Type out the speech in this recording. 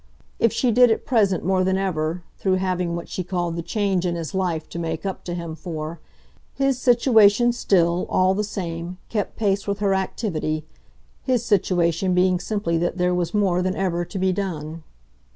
If she did at present more than ever, through having what she called the change in his life to make up to him for, his situation still, all the same, kept pace with her activity his situation being simply that there was more than ever to be done.